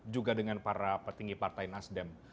juga dengan para petinggi partai nasdem